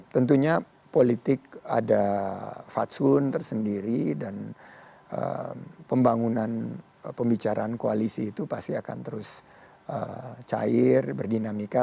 tentunya politik ada fatsun tersendiri dan pembangunan pembicaraan koalisi itu pasti akan terus cair berdinamika